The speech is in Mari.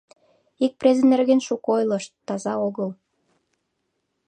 Ик презе нерген шуко ойлышт, таза огыл.